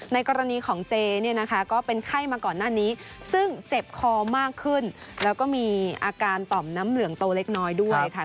ในกรณีของเจเนี่ยนะคะก็เป็นไข้มาก่อนหน้านี้ซึ่งเจ็บคอมากขึ้นแล้วก็มีอาการต่อมน้ำเหลืองโตเล็กน้อยด้วยค่ะ